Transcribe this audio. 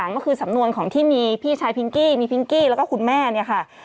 ก็คือสำนวนของที่มีพี่ชายพิงกี้มีพิงกี้แล้วก็คุณแม่เนี่ยค่ะ